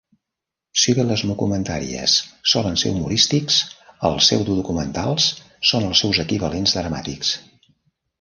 Si bé les "mockumentaries" solen ser humorístics, els pseudodocumentals són els seus equivalents dramàtics.